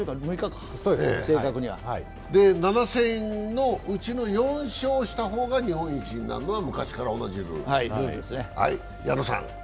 ７戦のうち４勝した方が日本一になるのは昔から同じルールです。